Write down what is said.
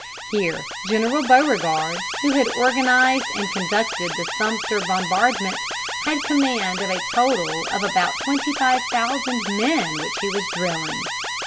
Here General Beauregard, who had organized and conducted the Sumter bombardment, had command of a total of about twenty five thousand men which he was drilling.